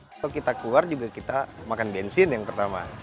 kalau kita keluar kita makan bensin yang pertama